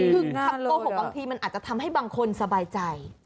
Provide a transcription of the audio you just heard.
คือคำโกหกบางทีมันอาจจะทำให้บางคนสบายใจ